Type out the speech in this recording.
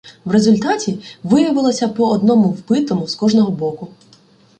В результаті виявилося по одному вбитому з кожного боку.